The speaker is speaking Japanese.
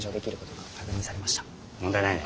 問題ないね。